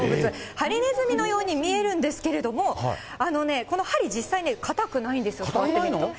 ハリネズミのように見えるんですけれども、この針、実際硬くないんですよ、触ってみると。